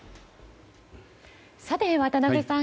さて、渡辺さん